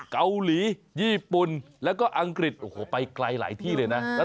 เกาหลีญี่ปุ่นแล้วก็อังกฤษโอ้โหไปไกลหลายที่เลยนะ